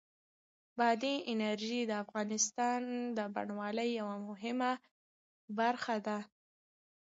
بادي انرژي د افغانستان د بڼوالۍ یوه مهمه برخه ده.Shutterstock